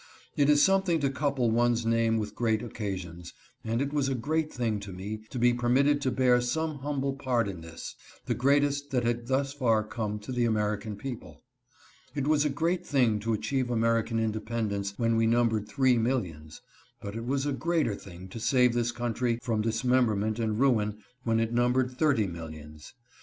It is something to couple one's name with great occasions, and it was a great thing to me to be permitted to bear some humble part in this, the greatest that had thus far come to the American people. It was a great thing to achieve Ameri can independence when we numbered three millions, but it was a greater thing to save this country from dismem berment and ruin when it numbered thirty millions.